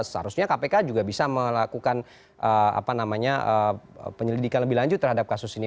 seharusnya kpk juga bisa melakukan penyelidikan lebih lanjut terhadap kasus ini